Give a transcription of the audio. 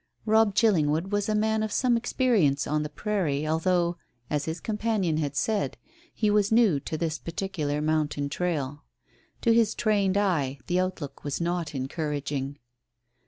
Robb Chillingwood was a man of some experience on the prairie, although, as his companion had said, he was new to this particular mountain trail. To his trained eye the outlook was not encouraging.